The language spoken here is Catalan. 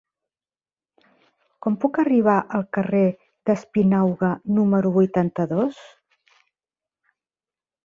Com puc arribar al carrer d'Espinauga número vuitanta-dos?